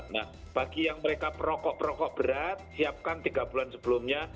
nah bagi yang mereka perokok perokok berat siapkan tiga bulan sebelumnya